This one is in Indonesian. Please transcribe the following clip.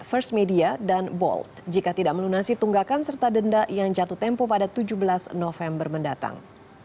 first media dan bold jika tidak melunasi tunggakan serta denda yang jatuh tempo pada tujuh belas november mendatang